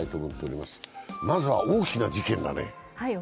まずは大きな事件だね。